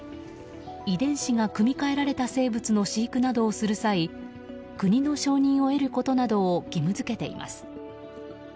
遺伝子が組み替えられた生物の飼育などをする際国の承認を得ることなどを義務付けています。